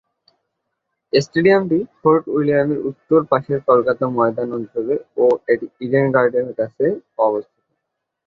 স্টেডিয়ামটি Fort উইলিয়ামের উত্তর পাশের কলকাতা ময়দান অঞ্চলে ও এটি ইডেন গার্ডেনের কাছে অবস্থিত।